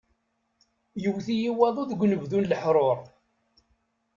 Yewwet-iyi waḍu deg unebdu n leḥrur!